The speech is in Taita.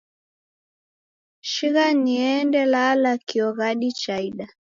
Sigha niende lala kio ghadi chaida.